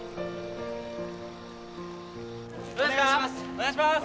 お願いします。